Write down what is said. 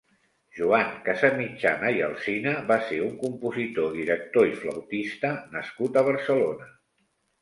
Joan Casamitjana i Alsina va ser un compositor, director i flautista nascut a Barcelona.